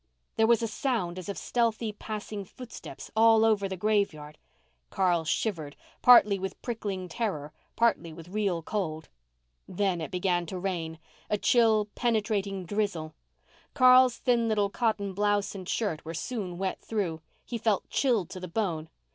There was a sound as of stealthy passing footsteps all over the graveyard. Carl shivered, partly with prickling terror, partly with real cold. Then it began to rain—a chill, penetrating drizzle. Carl's thin little cotton blouse and shirt were soon wet through. He felt chilled to the bone.